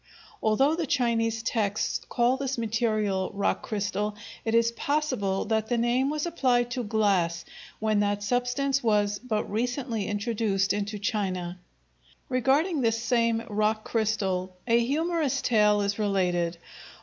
Although the Chinese texts call this material rock crystal, it is possible that the name was applied to glass when that substance was but recently introduced into China. Regarding this same "rock crystal" a humorous tale is related.